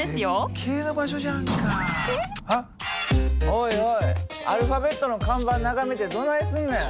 おいおいアルファベットの看板眺めてどないすんねん。